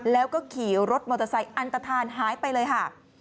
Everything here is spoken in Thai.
แล้วก็ขี่รถมอเตอร์ไซค์อันตฐานหายไปเลยค่ะ